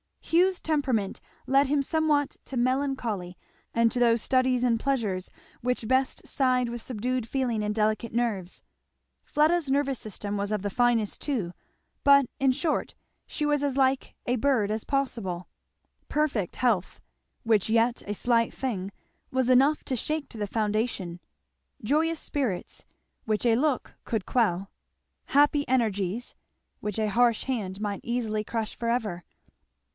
Hugh's temperament led him somewhat to melancholy, and to those studies and pleasures which best side with subdued feeling and delicate nerves. Fleda's nervous system was of the finest too, but, in short, she was as like a bird as possible. Perfect health, which yet a slight thing was enough to shake to the foundation; joyous spirits, which a look could quell; happy energies, which a harsh hand might easily crush for ever.